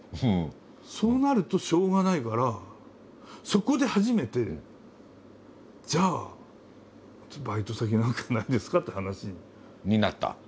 そうなるとしょうがないからそこで初めてじゃあバイト先何かないですか？って話に。になった？